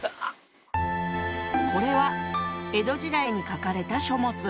これは江戸時代に書かれた書物。